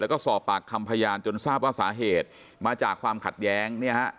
แล้วก็สอบปากคำพยานจนทราบว่าสาเหตุมาจากความขัดแย้งเนี่ยฮะ